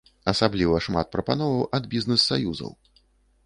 Асабліва шмат прапановаў ад бізнэс-саюзаў.